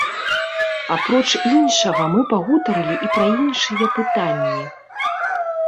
Апроч іншага мы пагутарылі і пра іншыя пытанні.